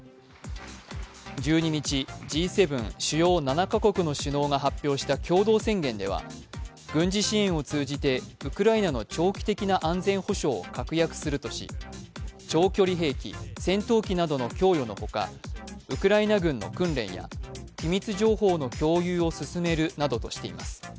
１２日、Ｇ７＝主要７か国の首脳が発表した共同宣言では、軍事支援を通じてウクライナの長期的な安全保障を確約するとし長距離兵器、戦闘機などの供与のほか、ウクライナ軍の訓練や、機密情報の共有を進めるなどとしています。